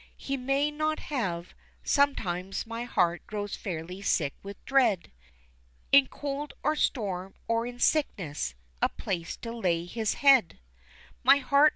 He may not have sometimes my heart grows fairly sick with dread In cold, or storm, or in sickness, a place to lay his head.